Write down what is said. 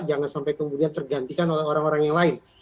jangan sampai kemudian tergantikan oleh orang orang yang lain